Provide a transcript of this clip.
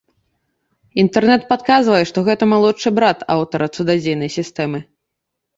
Інтэрнэт падказвае, што гэта малодшы брат аўтара цудадзейнай сістэмы.